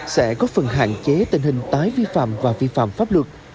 sẽ có phần hạn chế tình hình tái vi phạm và vi phạm pháp lược